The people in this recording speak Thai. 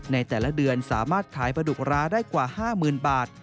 ในแต่ละเดือนสามารถขายปลาดุกร้าได้กว่า๕๐๐๐บาท